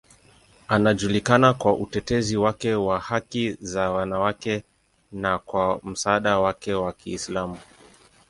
Anajulikana kwa utetezi wake wa haki za wanawake na kwa msaada wake wa Uislamu.